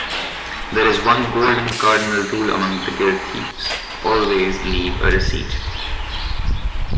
There is one golden, cardinal rule amongst the Guild thieves: always leave a receipt.